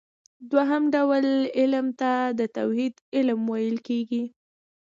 دوهم ډول علم ته د توحيد علم ويل کېږي .